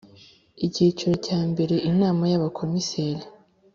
icyiciro cya mbere Inama y Abakomiseri